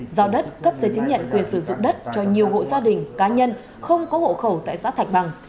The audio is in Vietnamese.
giao đất cấp giấy chứng nhận quyền sử dụng đất cho nhiều hộ gia đình cá nhân không có hộ khẩu tại xã thạch bằng